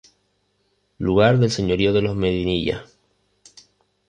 Lugar del señorío de los Medinilla.